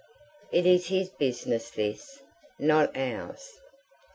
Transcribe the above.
It is his business this not ours.